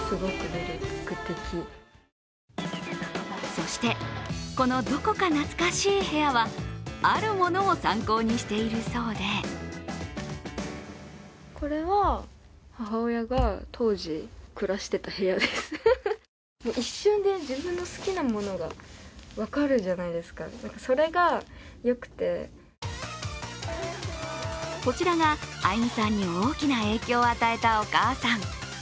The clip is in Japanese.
そして、このどこか懐かしい部屋はあるものを参考にしているそうでこちらが愛海さんに大きな影響を与えたお母さん。